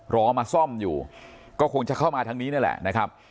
รอมาซ่อมอยู่ก็คงจะเข้ามาทางนี้นี่แหละนะครับ